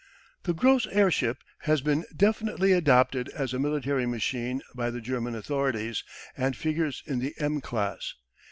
The Gross airship has been definitely adopted as a military machine by the German authorities, and figures in the "M" class.